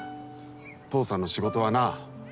父さんの仕事はな